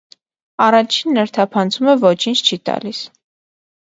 Առաջին ներթափանցումը ոչինչ չի տալիս։